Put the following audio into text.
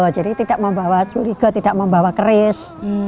jadi tidak membawa curiga tidak membawa keris